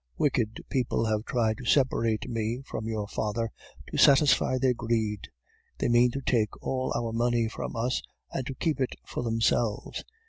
Wicked people have tried to separate me from your father to satisfy their greed. They mean to take all our money from us and to keep it for themselves.